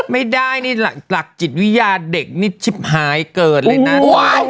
ไม่ได้นี่หลักจิตวิญญาณเด็กนี่ชิบหายเกิดเลยนะ